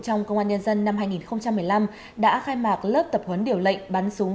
trong công an nhân dân năm hai nghìn một mươi năm đã khai mạc lớp tập huấn điều lệnh bắn súng